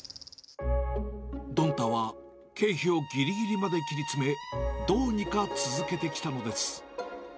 どんたは経費をぎりぎりまで切り詰め、どうにか続けてきたのです。